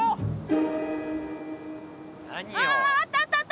あったあった。